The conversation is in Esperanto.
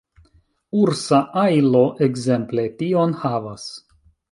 Ursa ajlo ekzemple tion havas.